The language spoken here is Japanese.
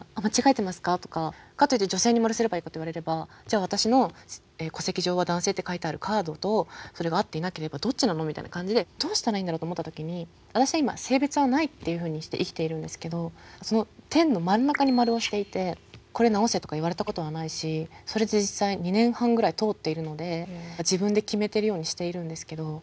かといって女性に丸すればいいかと言われればじゃあ私の戸籍上は男性って書いてあるカードとそれが合っていなければどっちなのみたいな感じでどうしたらいいんだろうと思った時に私は今性別は無いっていうふうにして生きているんですけどその点の真ん中に丸をしていて「これ直せ」とか言われたことはないしそれで実際２年半ぐらい通っているので自分で決めてるようにしているんですけど。